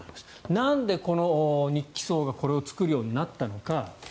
なんでこの日機装がこれを作るようになったのか。